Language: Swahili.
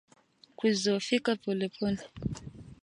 Kudhoofika polepole